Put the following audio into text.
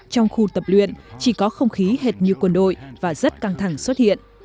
trong khu tập luyện chỉ có không khí hệt như quân đội và rất căng thẳng xuất hiện